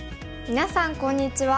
みなさんこんにちは。